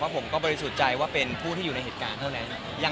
เพราะผมก็เป็นผู้ที่อยู่ในเหตุการณ์เท่านั้น